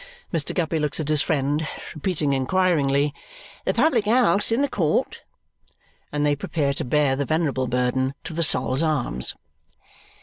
Mr. Guppy looks at his friend, repeating inquiringly, "The public house in the court?" And they prepare to bear the venerable burden to the Sol's Arms.